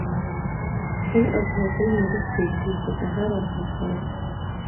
خپل او پردي مې نه پرېږدي خو سهار او ماښام.